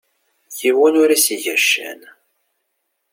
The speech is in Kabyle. Yiwen ur as-iga ccan.